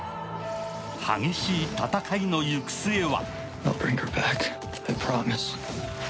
激しい戦いの行く末は？